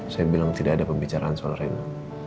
saya bilang tidak ada pembicaraan soal reno